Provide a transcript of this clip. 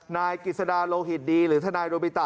นายกิจสดาโลหิตดีหรือทนายโรบิตะ